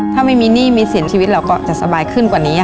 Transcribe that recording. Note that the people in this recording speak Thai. ถ้าไม่มีหนี้มีสินชีวิตเราก็จะสบายขึ้นกว่านี้